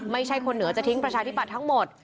ไม่ใช่คนเหนือจะทิ้งประชาธิบัติทั้งหมด